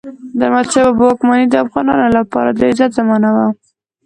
د احمدشاه بابا واکمني د افغانانو لپاره د عزت زمانه وه.